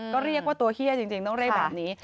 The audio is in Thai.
ก็เรียกว่าตัวเฮียจริงต้องเรียกแบบนี้